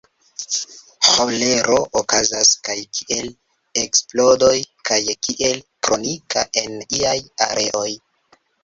Ĥolero okazas kaj kiel eksplodoj kaj kiel kronika en iaj areoj.